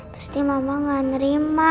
pasti mama gak nerima